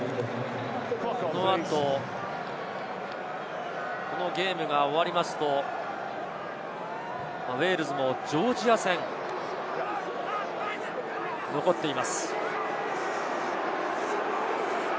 この後、このゲームが終わるとウェールズもジョージア戦が残っています。